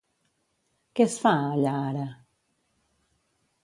Què es fa allà ara?